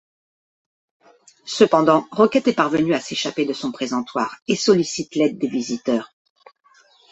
Cependant, Rocket est parvenu à s'échapper de son présentoir, et sollicite l'aide des visiteurs.